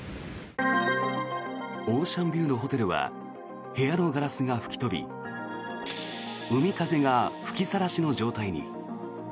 オーシャンビューのホテルは部屋のガラスが吹き飛び海風が吹きさらしの状態に。